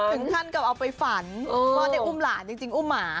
คุณท่านก็เอาไปฝันเพราะว่าจะอุ้มหลานจริงอุ้มหมา